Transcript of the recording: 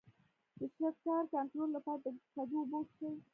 د شکر کنټرول لپاره د کدو اوبه وڅښئ